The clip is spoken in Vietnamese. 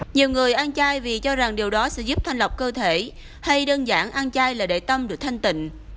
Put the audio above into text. nhiều người ăn chai vì cho rằng điều đó sẽ giúp thanh lọc cơ thể hay đơn giản ăn chai là để tâm được thanh tịnh